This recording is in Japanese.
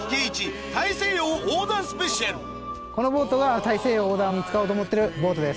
このボートが大西洋横断に使おうと思ってるボートです。